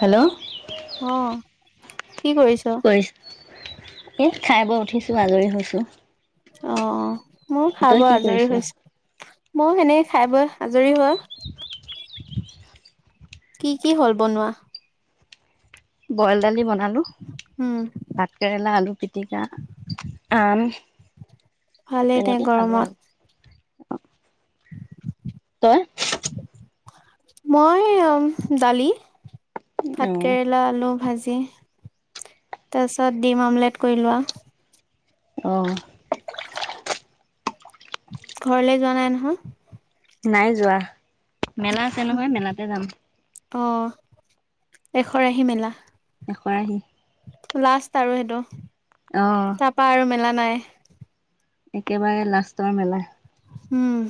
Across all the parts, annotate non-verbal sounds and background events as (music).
Hello অ কি কৰিছ এ খাই বৈ উঠিছো আজৰি হৈছো। অ অ মইও খাই বৈ আজৰি কৰিছ? হৈছো। মই সেনেই খাই বৈ আজৰি হৈ কি কি হল বনোৱা বইল দালি বনালোঁ। উম ভাতকেৰেলা, আলু, পিটিকা, আম ভালেই দে গৰমত অ (unintelligible) তই? মই দালি ভাত অ কেৰেলা, আলু ভাজি তাৰপিছত ডিম অমলেট কৰিলো আৰু। অ। ঘৰলে যোৱা নাই নহয়? নাই যোৱা। মেলা আছে নহয়, মেলাতে যাম। অ এশৰাহি মেলা। এশৰাহি লাষ্ট আৰু সেইটো। অ' তাৰাপা আৰু মেলা নাই একেবাৰে লাষ্টৰ মেলা উম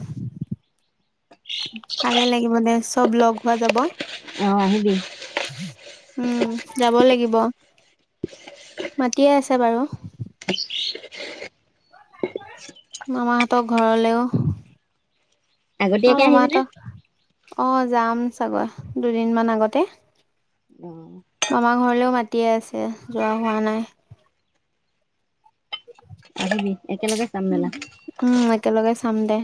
ভালে লাগিব দে চব লগ হোৱা যাব অ আহিব উম যাব লাগিব (unintelligible) মাতিয়ে আছে বাৰু (unintelligible) মামাহঁতক ঘৰলেও অ আগতীয়াকে আহিবি ন মামাহঁতৰ অ যাম চাগৈ দুদিনমান আগতে অ মামা ঘৰলৈও মাতিয়ে আছে যোৱা হোৱা নাই আহিবি একেলগে চাম মেলা উম একেলগে চাম দে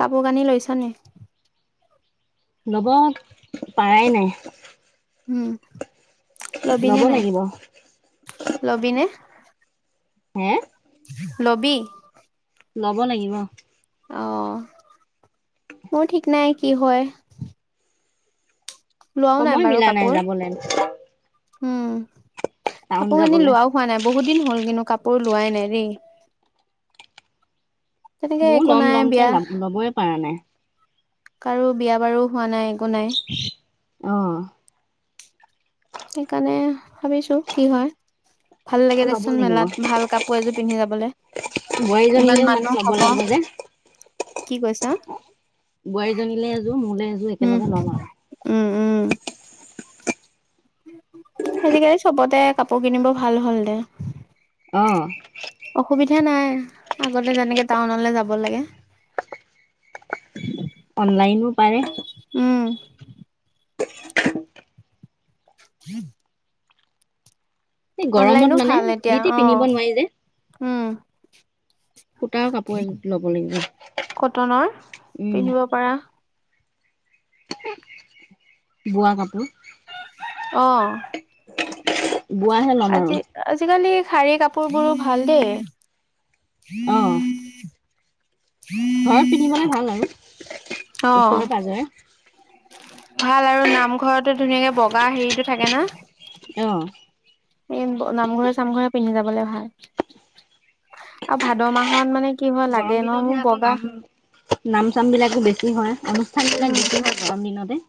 কাপোৰ কানি লৈছা নে ল'ব পাৰাই নাই উম ল'ব লবিনে নাই লাগিব লবিনে (unintelligible) হম লবি লব লাগিব অ মোৰ ঠিক নাই কি হয় লোৱাও নাই সময় বাৰু মিলা নাই কাপোৰ যাবলৈ উম কাপোৰ কানি লোৱাও হোৱা নাই বহুত দিন হ'ল কিন্তু কাপোৰ প লোৱাই নাই দেই তেনেকে মইও একো ল'ম নাই ল'মকে বিয়া ল ল'বই পাৰা নাই কাৰো বিয়া বাৰু হোৱা নাই একো নাই আহ সেইকাৰণে ভাবিছো কি হয় ভাল লাগে ল'ব দেখচোন লাগিব মেলাত ভাল কাপোৰ এযোৰ পিন্ধি যাবলে ইমান বোৱাৰীজনীলেও মানে মানুহ ল'ব হব লাগিব যে কি কৈছ বোৱাৰীজনীলে এযোৰ মোলে এযোৰ উম একেলগে ল'ম আৰু উম উম আজিকালি চবতে কাপোৰ কিনিব ভাল হল দে অঁ অসুবিধা নাই আগতে যেনেকে টাউনলে যাব লাগে অনলাইনো পাৰে উম ত (unintelligible) সে গৰমত মানে ভাল যি এতিয়া তি অ পিন্ধিব নোৱাৰি যে উম সূতাও কাপোৰ এযোৰ লব লাগিব কটনৰ উম পিন্ধিব পাৰা বোৱা কাপোৰ অ বোৱাহে ল'ম আজি আৰু আজিকালি শাৰী কাপোৰ বোৰো ভাল দেই উম অ (unintelligible) ঘৰত পিন্ধিবলে ভাল আৰু অ ওচৰে পাজৰে ভাল আৰু নামঘৰত ধুনীয়াকে বগা হেৰিটো থাকে না উম নামঘৰে চামঘৰে পিন্ধি যাবলে ভাল আৰু ভাদ মাহত মানে কি হয় লাগে গৰম ন দিনতহে মোৰ আকৌ বগা নাম নাম চাম বিলাকো বেছি হয় অনুষ্ঠান বিলাক উম বেছি গৰম দিনত হয় হোম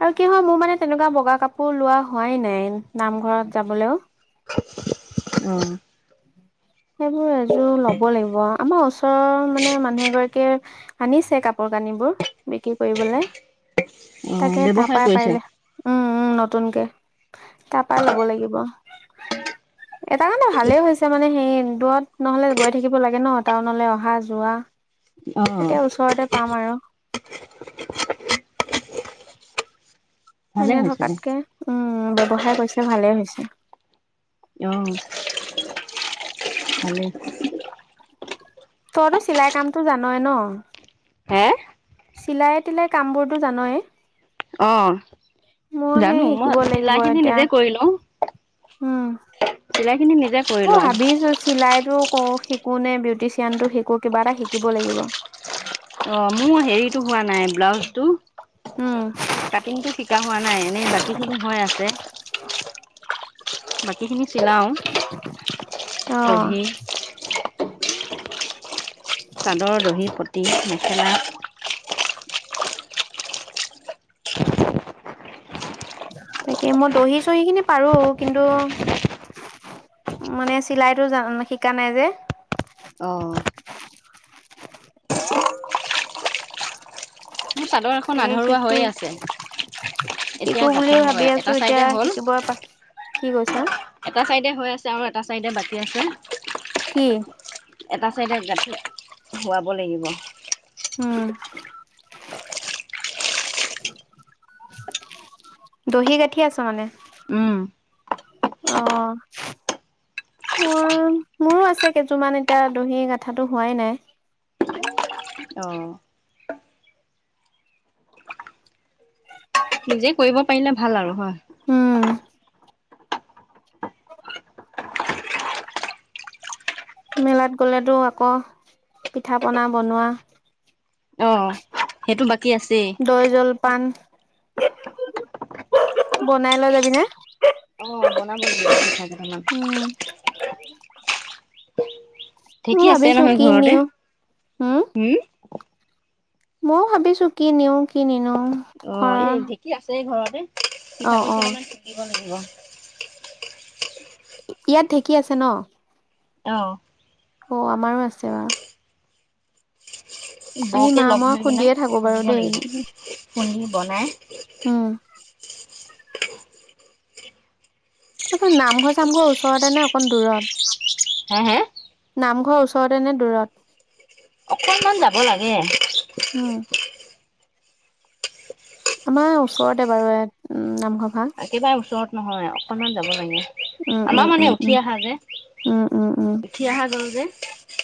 আৰু কি হয় মোৰ মানে তেনেকুৱা বগা কাপোৰ লোৱা হোৱাই নাই নামঘৰত যাবলৈও উম সেইবোৰ এযোৰ ল'ব লাগিব আমাৰ ওচৰৰ মানে মানুহ এগৰাকীয়ে আনিছে কাপোৰ কানিবোৰ বিক্ৰী কৰিবলে অ তাকে ব্যৱসায় তাৰাপাই কৰিছে পাৰিলে উম উম নতুনকে তাৰ পৰাই ল'ব লাগিব এটা কাৰণে ভালে হৈছে মানে সেই দুৰত নহলে গৈ থাকিব লাগে ন টাউনলৈ অহা যোৱা অ এতিয়া ওচৰতে পাম আৰু ভালে মানে হৈছে দে। থকাতকে উম উ ব্যৱসাৰ কৰিছে ভালেই হৈছে অ', ভালে তইতো চিলাই কামটো জানয়েই ন হে চিলাই তিলাই কাম বোৰতটো জানয়েই অঁ জানো মই শিকিব লাগিব চিলাই খিনি এতিয়া নিজে কৰি লও উম অ লওঁ ভাবিছো চিলাইতটো কৰো শিকো কোনে বিউটিচিয়ানটো শিকো কিবা এটা শিকিব লাগিব অ মোৰ হেৰিতো হোৱা নাই ব্লাউজ টো উম কাটিংটো শিকা হোৱা নাই এনেই বাকী খিনি হৈ আছে বাকী খিনি চিলাওঁ অ কুহি তেনে তাকে মই দহি চহি খিনি পাৰো কিন্তু মানে চিলাইতো জান শিকা নাই যে অ', মোৰ চাদৰ এখন তাকে আধৰুৱা শিকো হৈয়ে আছে এতিয়া শিকো বুলি গাঁঠিম ভাবি গৈ আছো এটা এতিয়া চাইডে হ'ল শিকিবই প কি কৈছা (unintelligible) এটা চাইডে হৈ আছে আৰু এটা চাইডে বাকী আছে। কি এটা ছাইডে গাঠ ধুৱাব লাগিব উম দহি গাঁঠি আছ মানে উম অ মই মোৰো আছে কেইযোৰমান এতিয়া দহি গাঠটো হোৱাই নাই। অ', নিজে কৰিব পাৰিলে ভাল আৰু হয়। উম মেলাত গ'লেতো আকৌ পিঠা পনা বনোৱা অ', সেইটো বাকী আছেই। দৈ জল পান বনাই লৈ যাবিনে অ বনাব ল থোম পিঠা কেইটামান উম মই ঠিকি আছে ভাবিছো নহয় কি ঘৰতে নিও হম ময়ো ভাবিছো কি নিওঁ কি নিনো অ ঘৰ এই ঢেঁকী আছে ঘৰত অ পিঠা গুৰি অ কেইটা মান খুন্দিব লাগিব অহ ইয়াত ঢেঁকী আছে ন আহ অ আমাৰো আছে বাৰু আমি বৌকে মা লগ মই ধৰি পেলাই খুন্দিয়ে থাকো বাৰু খুন্দিব দেই লাগিব, খুন্দি বনায় উম তত নামঘৰ চামঘৰ ওচৰতে নে অকণ দূৰত। হা হা নামঘৰ ওচৰতে নে দূৰত অকনমান যাব লাগে উম আমাৰ ওচৰতে বাৰু উম নামঘৰ ভাগ একেবাৰে ওচৰত নহয় আৰু। অলপমান মান যাব লাগে উম উম আমাৰ মানে উম উম উঠি অহা যে উম উম উম উঠি অহা গল যে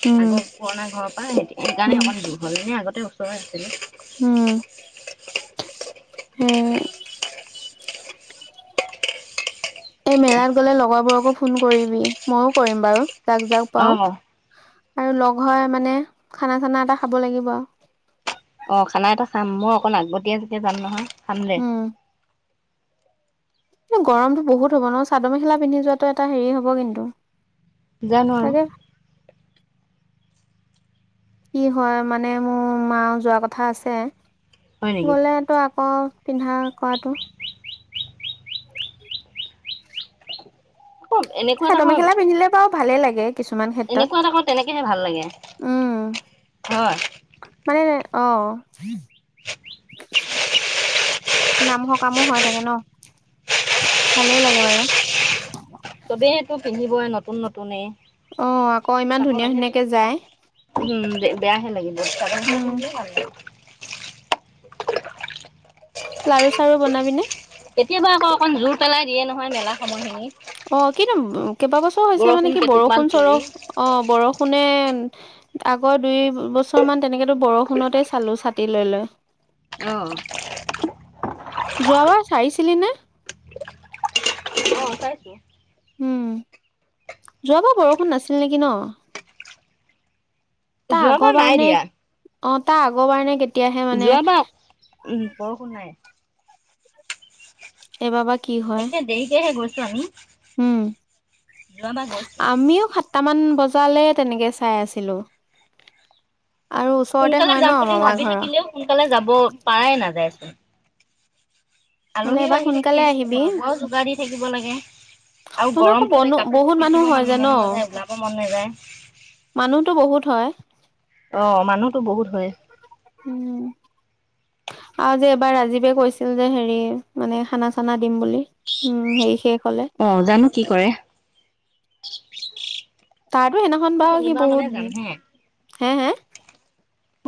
উম আগৰ পুৰণা ঘৰৰ পৰা সেইকাৰণে উম অকমান দূৰ হল নে আগত। ওচ উম হে ই এই মেলাত গলে লগৰবোৰকো ফোন কৰিবি ময়ো কৰিম বাৰু। তাক যাক পাও। অ', আৰু লগ হৈ মানে খানা চানা এটা খাব লাগিব আৰু অ খানা এটা চাম মই অকণ আগবতীয়া যেতিয়া যাম নহয় কাম যে গৰমটো বহুত হব ন চাদৰ মেখেলা পিন্ধি যোৱাটো এটা হেৰি হ'ব কিন্তু জানো আৰু তাকে কি হয় মানে মোৰ মা যোৱা কথা আছে হয় নেকি? গলে তো আকৌ পিন্ধা কৰাটো আকৌ চাদৰ মেখেলা পিন্ধিলে বাৰু ভালে লাগে কিছুমান ক্ষেত্ৰত এনেকুৱা এটা ক তেনেকেহে ভাল লাগে উম ঘৰ মানে অ নামঘৰৰ কামো হয় থাকে ন ভালেই লাগে বাৰু চবেই ত পিন্ধিব গৈ নতুন নতুনেই অ আকৌ তাত ইমান ধুনীয়া এনে ধুনীয়াকে যায় উম, বেয়াহে লাগে ব্ত আৰু উম (inaudible) (unintelligible) লাৰু চাৰু বনাবিনে কেতিয়াবা আক আক জোৰ পেলাই দিয়ে নহয় মেলা সময়খিনি অ কিন্তু কেইবাবছৰ হৈছে বৰষুণ মানে কি কেইটোপমান বৰষুণ পৰি। চৰহ অ বৰষুণে আগৰ দুই বছৰ মান তেনেকেতো বৰষুণতেই চালো ছাতি লৈ লৈ আহ যোৱাবাৰ চাইছিলি নে চাইছিলো উম যোৱাবাৰ বৰষুণ নাছিলে নেকি ন তাৰ যোৱাবাৰ আগৰবাৰ নাই নে দিয়া অ তাৰ আগৰবাৰ নে কেতিয়া যোৱা বাৰ উম বৰষুণ নাই এইবাৰো বা কি হয়। এতিয়া দেৰিকেহে গল হয় ন উম গৈছো। আমিও খ কটামান বজালে তেনেকে চাই আছিলোঁ সোনকালে যাম বুলি ভাবি থাকিলেও সোনকালে যাব পৰাই নাযায় উ হ'লে আলহিও এবাৰ আহি থাকি সোনকালে আছে আহিবি। খোৱা বোৱাও যোগাৰ দি থাকিব লাগে (unintelligible) আৰু তহঁতৰ আকৌ গৰমতোত এই বনো কাপোৰো বহুত মানুহ পিন্ধিব মন মন নাযায় যাব মন নাযায়। অ মানুহটো বহুত হয়। অ মানুহতো বহুত হয়। উম আৰু যে এবাৰ ৰাজীৱে কৈছিল যে হেৰি মানে খানা চানা দিম বুলি উম হেৰি শেষ হ'লে। অ জানো কি কৰে। তাতো সেইদিনাখন মই বাৰু সি শনিবাৰ মানে যাম বহুত হে হে হে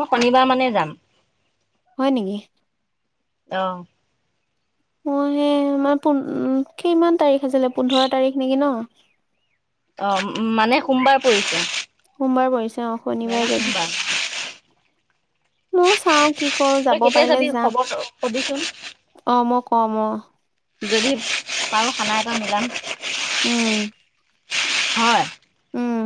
মই শনিবাৰ মানে যাম। হয় নেকি? অহ। মই হে মই পুন কিমান তাৰিখ আছিলে পোন্ধৰ তাৰিখ নেকি ন? অ মানে সোমবাৰ পৰিছে। সোমবাৰ পৰিছে অ মেলা শনিবাৰে যাবি। সোমবাৰ মইও চাও কি কৰো তই যাব কেতিয়া পাৰিলে যাবি যা। খবৰ কবিচোন অ মই কম অ। যদি পাৰু খানা এটা মিলাম উম হয়। উম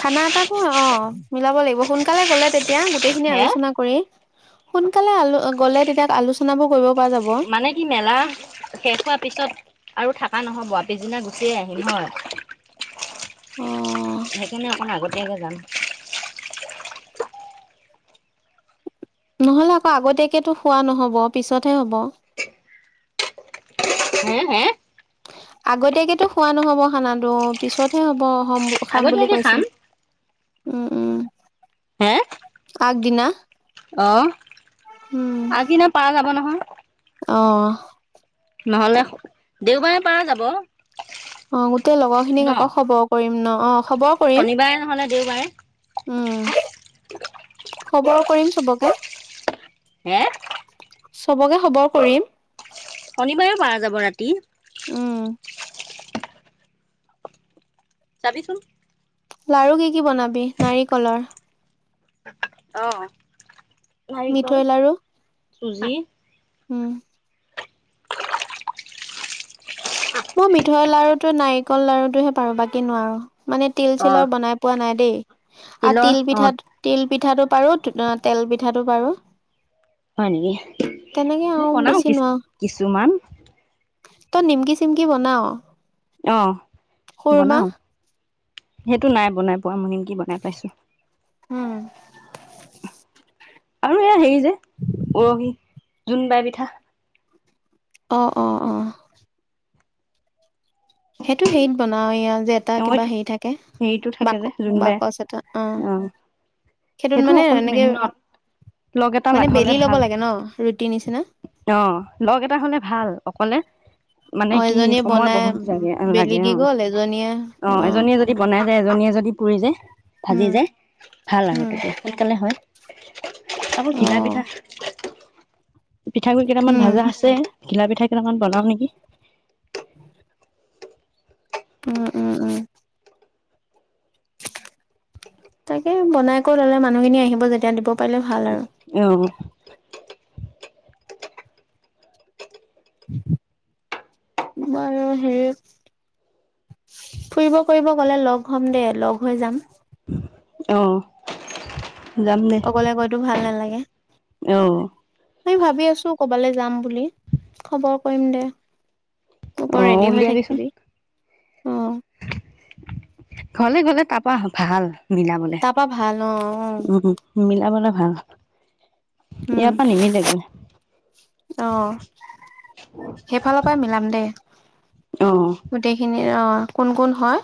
খানা এটা ক অ মিলাব লাগিব সোনকালে গলে তেতিয়া এতিয়া গোটেইখিনি হে আলোচনা কৰি সোনকালে আলো উ গ'লে তেতিয়া আলোচনাবোৰ কৰিব পৰা যাব মানে কি মেলা শেষ হোৱাৰ পিছত আৰু থাক হা নহব পিছদিনা গুচিয়ে আহিম হয়। অ সেইকাৰণে অকণ আগত নেক জান নহ'লে আকৌ আগতীয়াকেতো খোৱা নহ'ব পিছতহে হ'ব। হে হে আগতীয়াকেতো খোৱা নহব খানাটো পিছতহে হ'ব। খম খাম বুলি আগতীয়াকে কৈছিল। খাম উম উম। হে? আগদিনা। অহ উম আগদিনা পাৰা যাব অ নহয়? নহলে দেওবাৰে পাৰা যাব আহ গোটেই লগৰ ন খিনিক আকৌ খবৰ কৰিম ন অ খবৰ কৰিম শনিবাৰে নহ'লে দেওবাৰে উম। খবৰ কৰিম চবকে। হে চবকে খবৰ কৰিম। শনিবাৰে পাৰা যাব, ৰাতি। উম। যাবিচোন। লাৰু কি কি বনাবি, নাৰিকলৰ? আহ। মিঠৈ লাড়ু। চুজি। উম। মই মিঠৈ লাৰুটো নাৰিকল লডাৰুটোহে পাৰো, বাকী নোৱাৰো। মানে তিল অ চিলৰ বনাই পোৱা নাই দেই আৰু তিলৰ তিল অ পিঠা তিল। পিঠাটো পাৰো তেল পিঠাটো পাৰো। হয় নেকি, তেনেকে মই আৰু বনাও বেছি কিছু, নোৱাৰো কিছুমান। তই নিমকি চিমকি বনাও। অ, খুৰমা বনাওঁ। সেইটো নাই বনোৱা। পোৱা মহিন (unintelligible) কি বনাই পাইছো। উম আৰু এয়া হেৰি যে উৰহি জোন বাই পিঠা। অ, অ, অ সেইটো হেৰিত বনাও ইয়া (unintelligible) ই হেৰিটো থাকে যে, জোনবাই বাকচ এটা অ আহ সেইটোত সেইটো মানে অকণ এনেকে মেহনত লগ এটা মানে লাখলে বেলি ল'ব ভাল লাগে ন ৰুটি নিচিনা অ লগ এটা হলে ভাল অকলে মানে অ কি এজনীয়ে সময় বনাই বহুত লাগে বেলি লাগে দি অ গল, এজনীয়ে অ এজনীয়ে যদি ব (inaudible) এজনী এজনী (unintelligible) দি পুৰি যায় ভাজি উম যায় ভাল আৰু উম ততিয়া সোনকালে হয়। (unintelligible) আবোৰ অ ঘিলা পিঠা। পিঠা গুৰি কেইটামান উম ভাজা আছে ঘিলা পিঠা কেইটামান বনাও নিকি। উম, উম, উম তাকে বনাই কৰি ল'লে মানুহখিনি আহিব যেতিয়া দিব। তাকে ভাল আৰু। অ বাৰু হেৰি ফুৰিব ফুৰিব গলে লগ হ'ম দে লগ হৈ যাম অ যাম দে অকলে গৈতো ভাল নালাগে অ মই ভাবি আছো কবালৈ যাম বুলি খবৰ কৰিম দে হব অ ৰেডি হৈ উলিয়াবিচোন থাকিবি অ ঘৰলে গলে তাৰপা ভাল মিলাবলে তাৰপা ভাল অ অ উম মিলাবলে অ ভাল ইয়াৰ উম পৰা নিমিলেগৈ অ সেইফালৰ পৰা মিলাম দে অ গোটেইখিনি অ কোন কোন হয়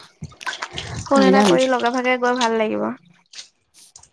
ফোন এটা মিলাবি কৰি লগে ভাগে গৈ ভাল লাগিব (unintelligible)